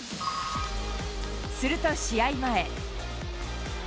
すると試合前。